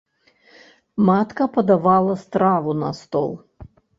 Матка падавала страву на стол.